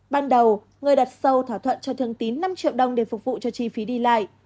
ban đầu người đặt sâu thỏa thuận cho thường tín năm triệu đồng để phục vụ cho chi phí đi lại